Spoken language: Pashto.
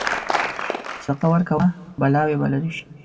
صدقه ورکوه، بلاوې به لرې شي.